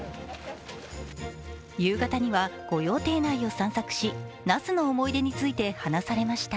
夕方には御用邸内を散策し、那須の思い出について話されました。